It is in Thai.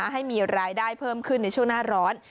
ให้มีรายได้เพิ่มขึ้นในช่วงหน้าร้อน